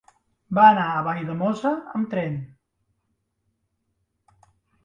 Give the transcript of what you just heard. Va anar a Valldemossa amb tren.